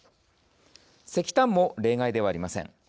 石炭も例外ではありません。